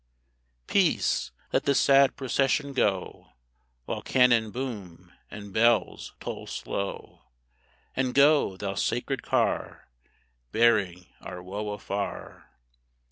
Peace! Let the sad procession go, While cannon boom and bells toll slow. And go, thou sacred car, Bearing our woe afar!